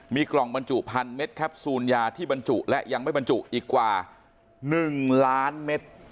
มีกล่องบรรจุพันเม็ดแคปซูลยาที่บรรจุและยังไม่บรรจุอีกกว่า๑ล้านเม็ด